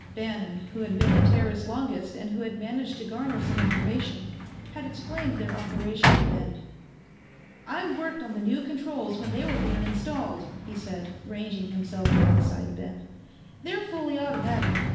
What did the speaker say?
Bannon, who had been in Teris longest and who had managed to garner some information, had explained their operation to Ben. "I worked on the new controls when they were being installed," he said, ranging himself alongside Ben. "They're fully automatic.